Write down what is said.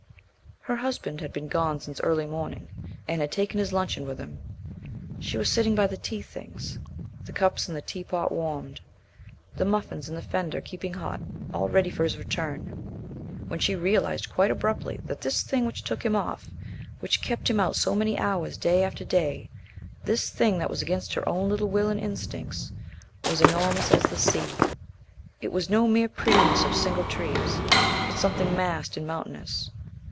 Her husband had been gone since early morning, and had taken his luncheon with him. She was sitting by the tea things, the cups and teapot warmed, the muffins in the fender keeping hot, all ready for his return, when she realized quite abruptly that this thing which took him off, which kept him out so many hours day after day, this thing that was against her own little will and instincts was enormous as the sea. It was no mere prettiness of single Trees, but something massed and mountainous.